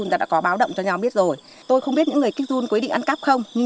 nhưng vườn cam của bà trâm vẫn bị những người kích trộm run ghế thăm thường xuyên